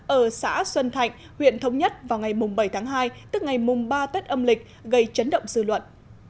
ở xã xuân thạnh huyện thống nhất vào ngày bảy tháng hai tức ngày ba tết âm lịch gây chấn động dư luận